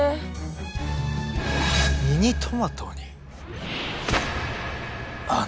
ミニトマトに穴？